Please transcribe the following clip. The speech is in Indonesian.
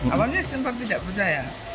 awalnya sempat tidak percaya